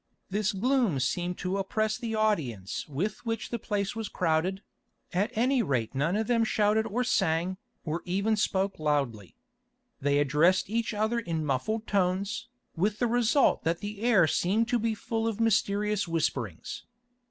This gloom seemed to oppress the audience with which the place was crowded; at any rate none of them shouted or sang, or even spoke loudly. They addressed each other in muffled tones, with the result that the air seemed to be full of mysterious whisperings.